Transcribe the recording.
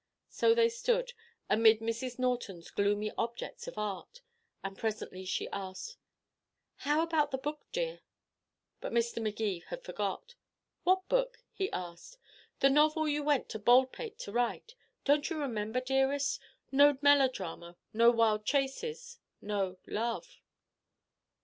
So they stood, amid Mrs. Norton's gloomy objects of art. And presently she asked: "How about the book, dear?" But Mr. Magee had forgot. "What book?" he asked. "The novel you went to Baldpate to write Don't you remember, dearest no melodrama, no wild chase, no love?"